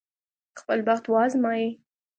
خپل بخت وازمايي.